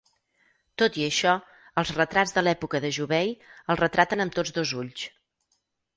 Tot i això, els retrats de l'època de Jubei el retraten amb tots dos ulls.